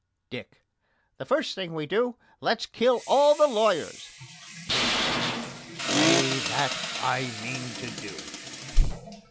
DICK: The first thing we do, let's kill all the lawyers. CADE: Nay, that I mean to do.